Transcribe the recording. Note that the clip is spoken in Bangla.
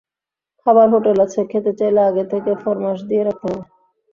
খাবার হোটেল আছে, খেতে চাইলে আগে থেকে ফরমাশ দিয়ে রাখতে হবে।